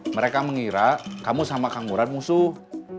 mereka mengira kamu sama kangguran musuh